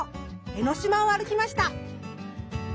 江の島を歩きました。